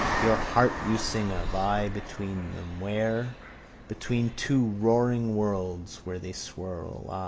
Your heart you sing of. I between them. Where? Between two roaring worlds where they swirl, I.